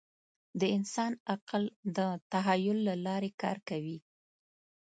د انسان عقل د تخیل له لارې کار کوي.